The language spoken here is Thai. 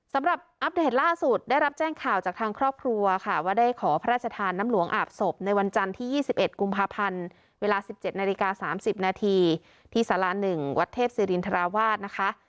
อัปเดตล่าสุดได้รับแจ้งข่าวจากทางครอบครัวค่ะว่าได้ขอพระราชทานน้ำหลวงอาบศพในวันจันทร์ที่๒๑กุมภาพันธ์เวลา๑๗นาฬิกา๓๐นาทีที่สารา๑วัดเทพศิรินทราวาสนะคะ